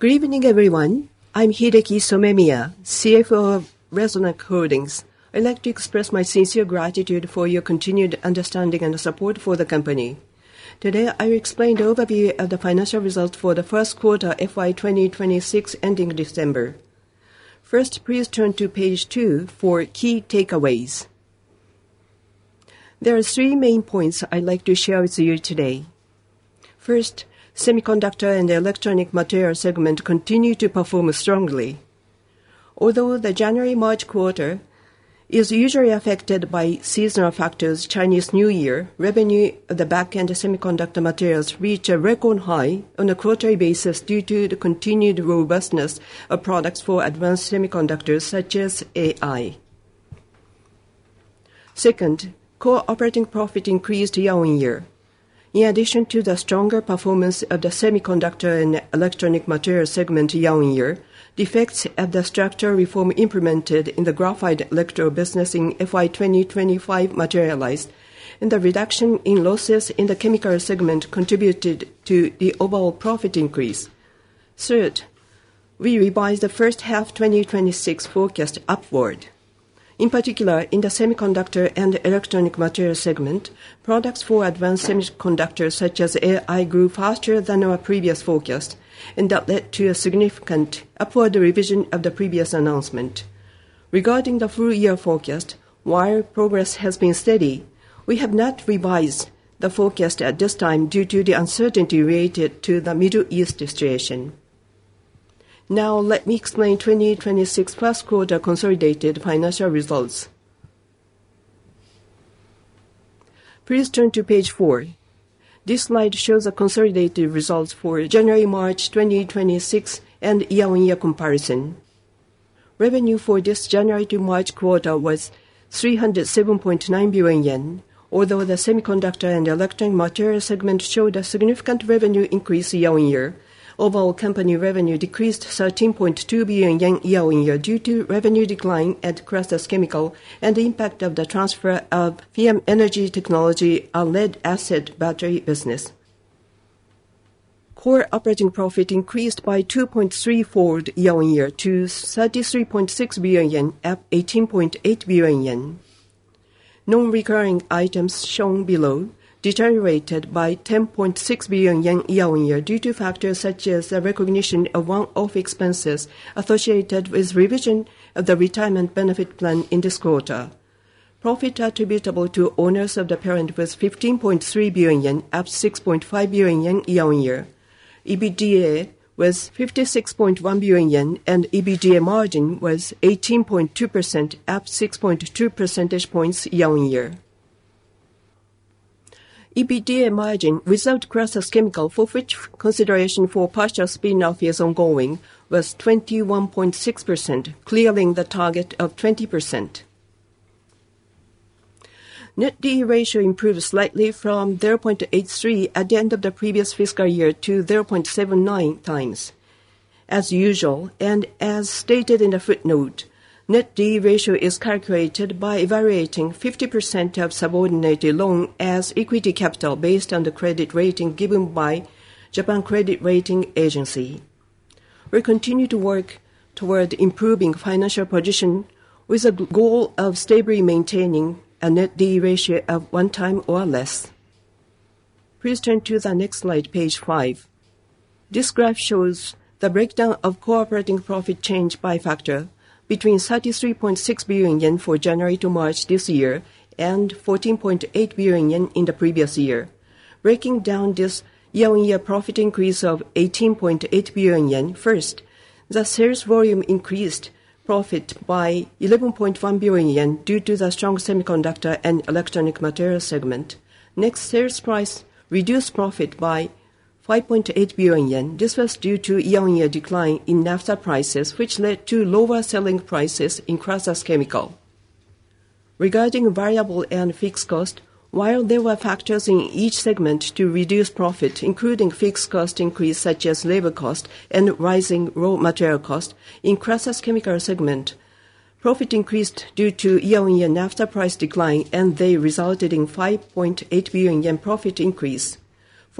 Good evening, everyone. I'm Hideki Somemiya, CFO of Resonac Holdings. I'd like to express my sincere gratitude for your continued understanding and support for the company. Today, I will explain the overview of the financial results for the Q1 FY 2026 ending December. First, please turn to page 2 for key takeaways. There are three main points I'd like to share with you today. First, Semiconductor and Electronic Materials segment continue to perform strongly. Although the January-March quarter is usually affected by seasonal factors, Chinese New Year, revenue at the back-end semiconductor materials reach a record high on a quarterly basis due to the continued robustness of products for advanced semiconductors, such as AI. Second, core operating profit increased year-on-year. In addition to the stronger performance of the semiconductor and electronic material segment year-on-year, the effects of the structural reform implemented in the graphite electrode business in FY 2025 materialized, and the reduction in losses in the Chemicals segment contributed to the overall profit increase. We revised the first half 2026 forecast upward. In particular, in the semiconductor and electronic material segment, products for advanced semiconductors such as AI grew faster than our previous forecast, and that led to a significant upward revision of the previous announcement. Regarding the full year forecast, while progress has been steady, we have not revised the forecast at this time due to the uncertainty related to the Middle East situation. Let me explain 2026 Q1 consolidated financial results. Please turn to page 4. This slide shows the consolidated results for January, March 2026 and year-on-year comparison. Revenue for this January to March quarter was 307.9 billion yen. Although the semiconductor and electronic material segment showed a significant revenue increase year-on-year, overall company revenue decreased 13.2 billion yen year-on-year due to revenue decline at Crasus Chemical and the impact of the transfer of FIAMM Energy Technology, our lead-acid battery business. Core operating profit increased by 2.3-fold year-on-year to 33.6 billion yen, up 18.8 billion yen. Non-recurring items shown below deteriorated by 10.6 billion yen year-on-year due to factors such as the recognition of one-off expenses associated with revision of the retirement benefit plan in this quarter. Profit attributable to owners of the parent was 15.3 billion yen, up 6.5 billion yen year-on-year. EBITDA was 56.1 billion yen. EBITDA margin was 18.2%, up 6.2 percentage points year-on-year. EBITDA margin without Crasus Chemical, for which consideration for partial spin-off is ongoing, was 21.6%, clearing the target of 20%. Net debt ratio improved slightly from 0.83 at the end of the previous fiscal year to 0.79 times. As usual, as stated in the footnote, net debt ratio is calculated by evaluating 50% of subordinated loan as equity capital based on the credit rating given by Japan Credit Rating Agency. We continue to work toward improving financial position with the goal of stably maintaining a net debt ratio of 1 time or less. Please turn to the next slide, page 5. This graph shows the breakdown of core operating profit change by factor between 33.6 billion yen for January to March this year and 14.8 billion yen in the previous year. Breaking down this year-on-year profit increase of 18.8 billion yen, first, the sales volume increased profit by 11.1 billion yen due to the strong semiconductor and electronic material segment. Next, sales price reduced profit by 5.8 billion yen. This was due to year-on-year decline in naphtha prices, which led to lower selling prices in Crasus Chemical. Regarding variable and fixed cost, while there were factors in each segment to reduce profit, including fixed cost increase such as labor cost and rising raw material cost, in Crasus Chemical segment, profit increased due to year-on-year naphtha price decline, and they resulted in 5.8 billion yen profit increase.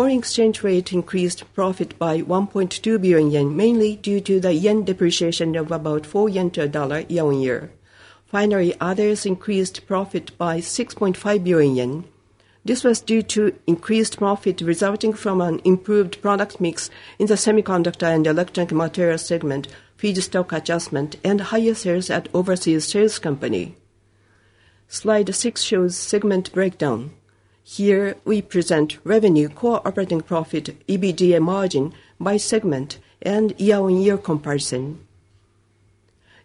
Foreign exchange rate increased profit by 1.2 billion yen, mainly due to the yen depreciation of about 4 yen to a dollar year-on-year. Finally, others increased profit by 6.5 billion yen. This was due to increased profit resulting from an improved product mix in the semiconductor and electronic material segment, feedstock adjustment, and higher sales at overseas sales company. Slide 6 shows segment breakdown. Here, we present revenue, core operating profit, EBITDA margin by segment and year-on-year comparison.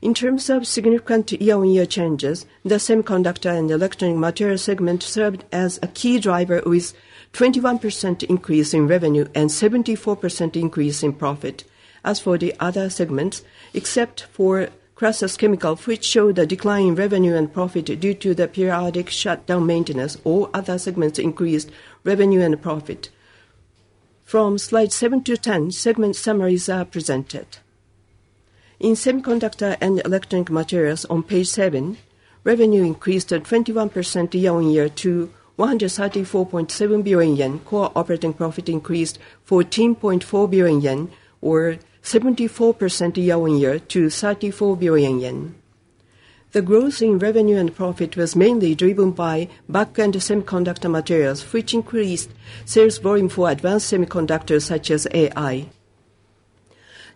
In terms of significant year-on-year changes, the semiconductor and electronic material segment served as a key driver with 21% increase in revenue and 74% increase in profit. As for the other segments, except for Crasus Chemical, which showed a decline in revenue and profit due to the periodic shutdown maintenance, all other segments increased revenue and profit. From slide 7 to 10, segment summaries are presented. In Semiconductor and Electronic Materials on page 7, revenue increased at 21% year-on-year to 134.7 billion yen. Core operating profit increased 14.4 billion yen, or 74% year-on-year, to 34 billion yen. The growth in revenue and profit was mainly driven by back-end semiconductor materials, which increased sales volume for advanced semiconductors such as AI.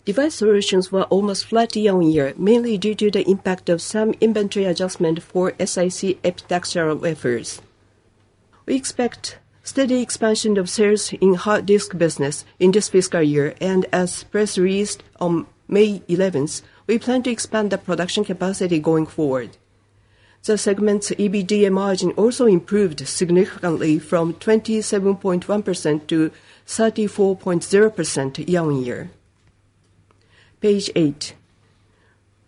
Device Solutions were almost flat year-on-year, mainly due to the impact of some inventory adjustment for SiC epitaxial wafers. We expect steady expansion of sales in hard disk business in this fiscal year. As press released on May 11th, we plan to expand the production capacity going forward. The segment's EBITDA margin also improved significantly from 27.1% to 34.0% year-on-year. Page 8.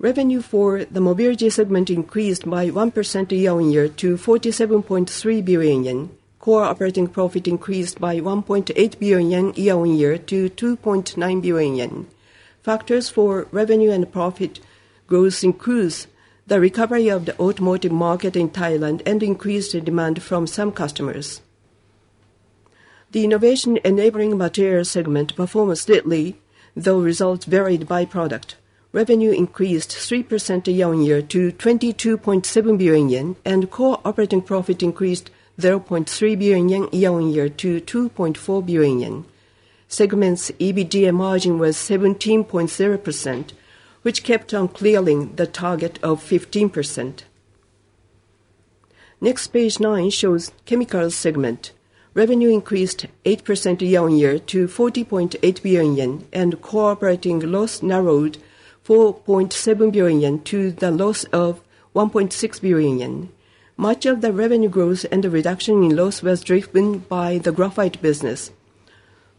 Revenue for the Mobility segment increased by 1% year-on-year to 47.3 billion yen. Core operating profit increased by 1.8 billion yen year-on-year to 2.9 billion yen. Factors for revenue and profit growth includes the recovery of the automotive market in Thailand and increased demand from some customers. The Innovation Enabling Materials segment performed steadily, though results varied by product. Revenue increased 3% year-on-year to 22.7 billion yen, and core operating profit increased 0.3 billion yen year-on-year to 2.4 billion yen. Segment's EBITDA margin was 17.0%, which kept on clearing the target of 15%. Next, page 9 shows Chemicals segment. Revenue increased 8% year-on-year to 40.8 billion yen, and core operating loss narrowed 4.7 billion yen to the loss of 1.6 billion yen. Much of the revenue growth and the reduction in loss was driven by the graphite business,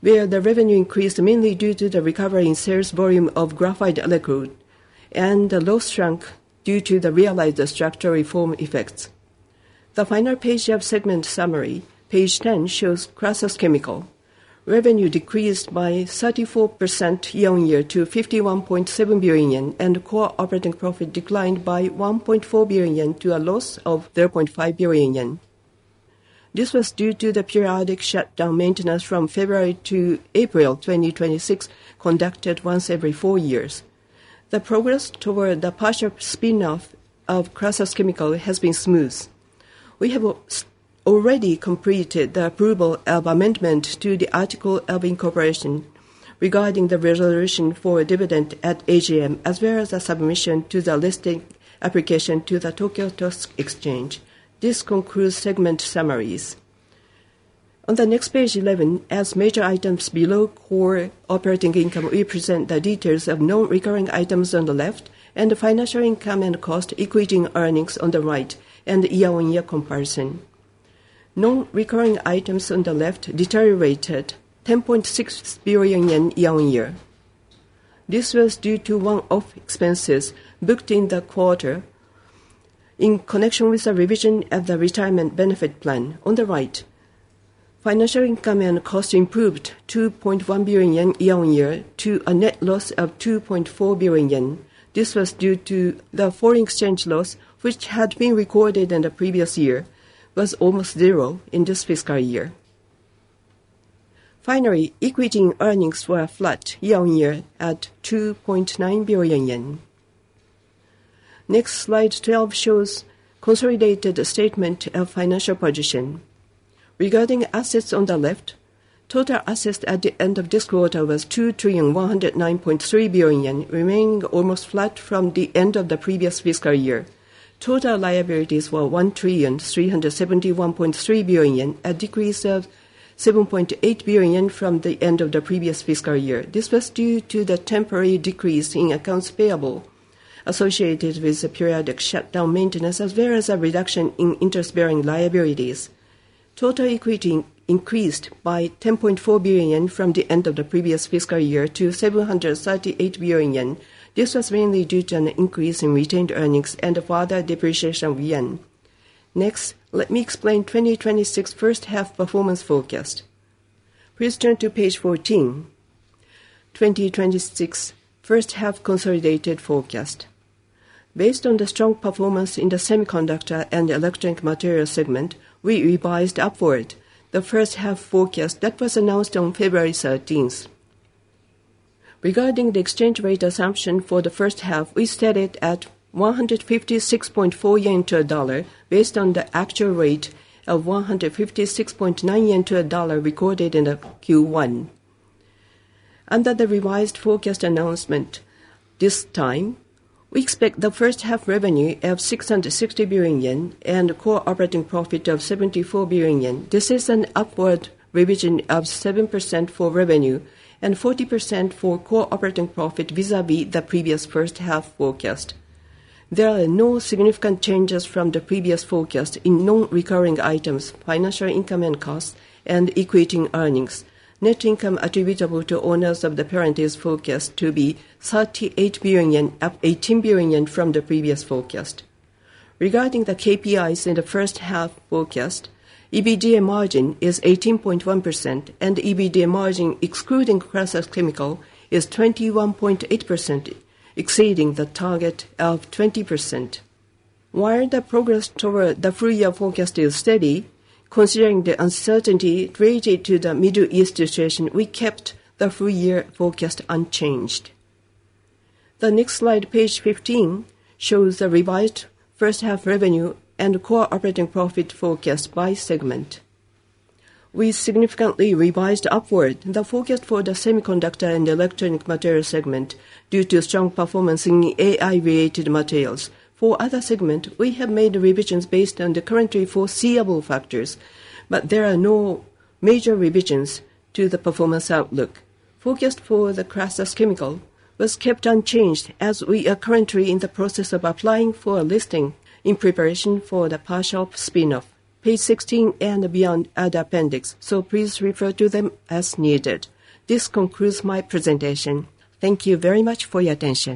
where the revenue increased mainly due to the recovery in sales volume of graphite anode and the loss shrunk due to the realized structural reform effects. The final page of segment summary, page 10, shows Crasus Chemical. Revenue decreased by 34% year-on-year to 51.7 billion, and core operating profit declined by 1.4 billion to a loss of 0.5 billion. This was due to the periodic shutdown maintenance from February to April 2026, conducted once every four years. The progress toward the partial spin-off of Crasus Chemical has been smooth. We have already completed the approval of amendment to the article of incorporation regarding the resolution for a dividend at AGM, as well as a submission to the listing application to the Tokyo Stock Exchange. This concludes segment summaries. On the next page, 11, as major items below core operating income, we present the details of non-recurring items on the left and the financial income and cost, equity earnings on the right and year-on-year comparison. Non-recurring items on the left deteriorated 10.6 billion yen year-on-year. This was due to one-off expenses booked in the quarter in connection with the revision of the retirement benefit plan. On the right, financial income and cost improved 2.1 billion yen year-on-year to a net loss of 2.4 billion yen. This was due to the foreign exchange loss, which had been recorded in the previous year, was almost zero in this fiscal year. Equity method earnings were flat year-on-year at 2.9 billion yen. Slide 12 shows consolidated statement of financial position. Regarding assets on the left, total assets at the end of this quarter was 2,109.3 trillion, remaining almost flat from the end of the previous fiscal year. Total liabilities were 1,371.3 trillion, a decrease of 7.8 billion from the end of the previous fiscal year. This was due to the temporary decrease in accounts payable associated with the periodic shutdown maintenance, as well as a reduction in interest-bearing liabilities. Total equity increased by 10.4 billion yen from the end of the previous fiscal year to 738 billion yen. This was mainly due to an increase in retained earnings and a further depreciation of yen. Next, let me explain 2026 first half performance forecast. Please turn to page 14, 2026 first half consolidated forecast. Based on the strong performance in the Semiconductor and Electronic Materials segment, we revised upward the first half forecast that was announced on February 13th. Regarding the exchange rate assumption for the first half, we set it at 156.4 yen to $1 based on the actual rate of 156.9 yen to $1 recorded in the Q1. Under the revised forecast announcement this time, we expect the first half revenue of 660 billion yen and core operating profit of 74 billion yen. This is an upward revision of 7% for revenue and 40% for core operating profit vis-a-vis the previous first half forecast. There are no significant changes from the previous forecast in non-recurring items, financial income and costs, and equity method earnings. Net income attributable to owners of the parent is forecast to be 38 billion, up 18 billion from the previous forecast. Regarding the KPIs in the first half forecast, EBITDA margin is 18.1%, and EBITDA margin excluding Crasus Chemical is 21.8%, exceeding the target of 20%. While the progress toward the full year forecast is steady, considering the uncertainty related to the Middle East situation, we kept the full year forecast unchanged. The next slide, page 15, shows the revised first half revenue and core operating profit forecast by segment. We significantly revised upward the forecast for the Semiconductor and Electronic Material segment due to strong performance in AI-related materials. For other segment, we have made revisions based on the currently foreseeable factors, but there are no major revisions to the performance outlook. Forecast for the Crasus Chemical was kept unchanged as we are currently in the process of applying for a listing in preparation for the partial spin-off. Page 16 and beyond are the appendix, so please refer to them as needed. This concludes my presentation. Thank you very much for your attention.